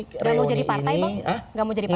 gak mau jadi partai bang